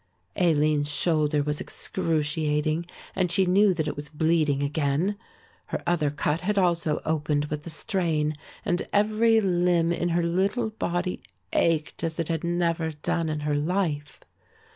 Aline's shoulder was excruciating, and she knew that it was bleeding again. Her other cut had also opened with the strain, and every limb in her little body ached as it had never done in her life.